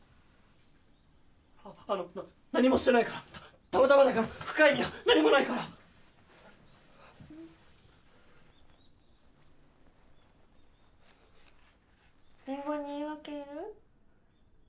あの何もしてないからたまたまだから深い意味は何もないからりんごに言い訳いる？